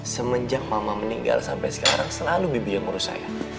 semenjak mama meninggal sampai sekarang selalu bibi yang ngurus saya